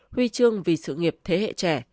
huy chương vì sự nghiệp thế hệ trẻ